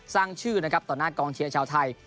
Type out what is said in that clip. สร้างชื่อนะครับต่อหน้ากองเชียร์ชาวไทย